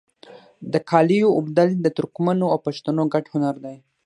د قالیو اوبدل د ترکمنو او پښتنو ګډ هنر دی.